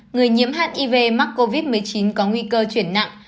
người nhiễm hiv mắc covid một mươi chín có nguy cơ chuyển nặng